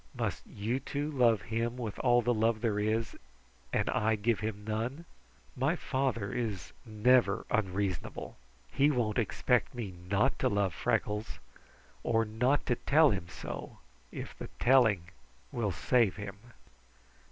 Must you two love him with all the love there is, and I give him none? My father is never unreasonable. He won't expect me not to love Freckles, or not to tell him so, if the telling will save him."